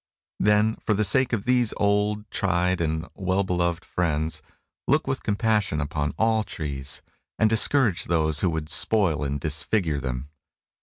Then, for the sake of these old, tried, and well beloved friends, look with compassion upon all trees, and discourage those who would spoil and disfigure them.